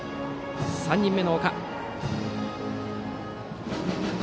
３人目の岡。